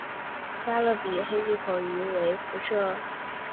加勒比黑巨口鱼为辐鳍鱼纲巨口鱼目巨口鱼科的其中一种。